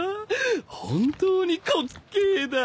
本当に滑稽だ。